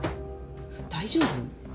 大丈夫？